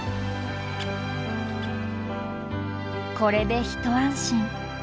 これで一安心。